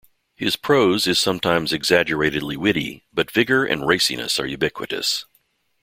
His prose is sometimes exaggeratedly witty, but vigor and raciness are ubiquitous.